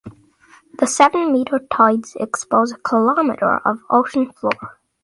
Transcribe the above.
The seven-meter tides expose a kilometer of ocean floor.